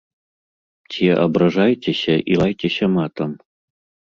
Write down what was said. Ці абражайцеся і лайцеся матам.